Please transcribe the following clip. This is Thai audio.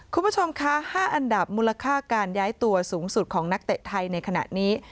คุณผู้ชมคะ๕อันดับมูลค่าการย้ายตัวสูงสุดของนักเตะไทยในขณะนี้